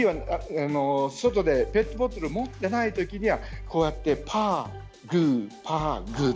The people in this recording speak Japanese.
外で、ペットボトルを持っていないときにはパー、グー、パー、グー。